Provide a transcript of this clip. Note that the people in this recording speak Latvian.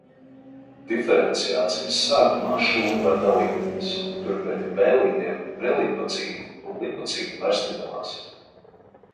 Diferenciācijas sākumā šūna var dalīties, turpretim vēlīnie prelipocīti un lipocīti vairs nedalās.